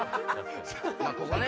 ここね